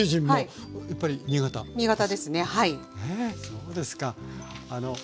そうですか。